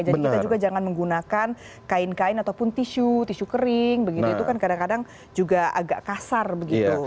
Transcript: jadi kita juga jangan menggunakan kain kain ataupun tisu tisu kering begitu itu kan kadang kadang juga agak kasar begitu